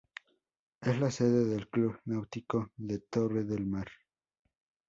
Es la sede del Club Náutico de Torre del Mar.